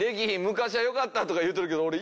「昔は良かった」とか言うとるけど俺。